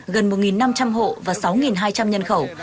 gần một năm trăm linh hộ và sáu hai trăm linh nhân khẩu